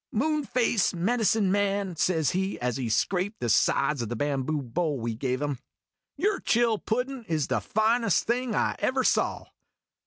" Moonface Medicine man," says he, as he scraped the sides o' the bamboo bowl we gave him, " your chill puddin' is the finest thing I ever saw